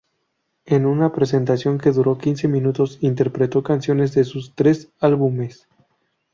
En una presentación que duró quince minutos, interpretó canciones de sus tres álbumes.